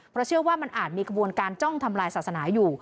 เพราะเชื่อว่ามันอาจมีกระบวนการจ้องทำลายศาสนาอยู่